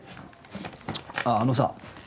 あっあのさ